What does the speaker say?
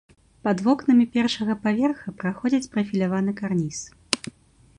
Пад вокнамі першага паверха праходзіць прафіляваны карніз.